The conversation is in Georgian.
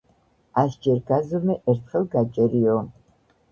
ასჯერ გაზომე და ერთხელ გაჭერიო